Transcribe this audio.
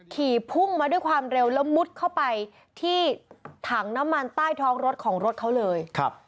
ขี่พุ่งมาด้วยความเร็วแล้วมุดเข้าไปที่ถังน้ำมันใต้ท้องรถของรถเขาเลย